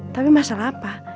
tapi masalah apa